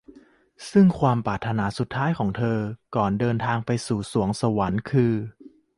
ซึ่งความปรารถนาสุดท้ายของเธอก่อนเดินทางไปสู่สวรรค์คือ